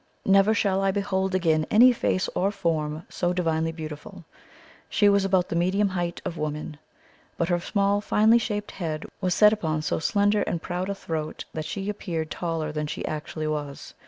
Never shall I behold again any face or form so divinely beautiful! She was about the medium height of women, but her small finely shaped head was set upon so slender and proud a throat that she appeared taller than she actually was.